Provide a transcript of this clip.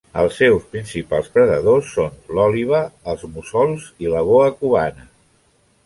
Els seus principals predadors són l'òliba, els mussols i la boa cubana.